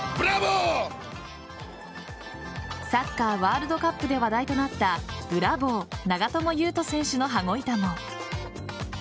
サッカーワールドカップで話題となったブラボー、長友佑都選手の羽子板も。